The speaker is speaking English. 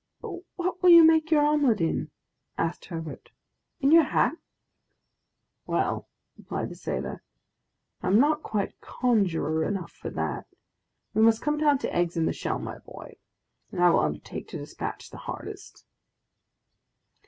"But what will you make your omelet in?" asked Herbert; "in your hat?" "Well!" replied the sailor, "I am not quite conjuror enough for that; we must come down to eggs in the shell, my boy, and I will undertake to despatch the hardest!"